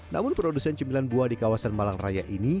namun produsen cemilan buah di kawasan malang raya ini